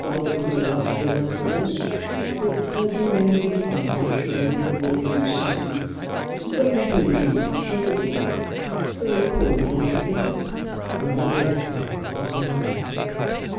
I never go out till after this, but had you named a time I should have been here to receive you. That will do, John, shut the door. Very cold, don't you think it." "I have walked, my lord, and am warm."